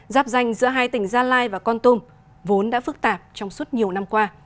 giáp danh giữa hai tỉnh gia lai và con tum vốn đã phức tạp trong suốt nhiều năm qua